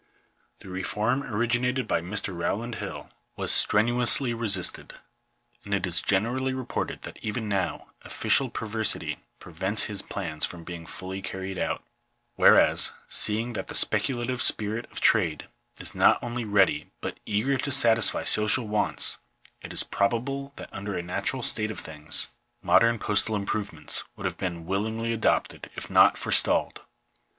The reform origi nated by Mr. Rowland Hill was strenuously resisted ; and it is generally reported that even now, official perversity prevents his plans from being fully carried out. Whereas, seeing that the spe culative spirit of trade is not only ready, but eager to satisfy social D D 2 Digitized by VjOOQIC 404 CURRENCY, F08TAL ARRANGEMENT8, ETC. wants, it is probable that under a natural state of things modern postal improvements would have been willingly adopted, if not forestalled.